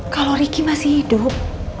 kalau riki masih hidup